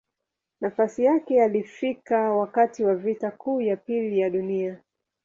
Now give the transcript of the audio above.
Nafasi yake alifika wakati wa Vita Kuu ya Pili ya Dunia.